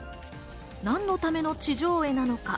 何のための地上絵なのか？